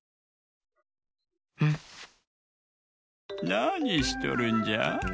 なにしとるんじゃ？